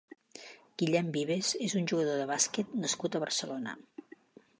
Guillem Vives és un jugador de bàsquet nascut a Barcelona.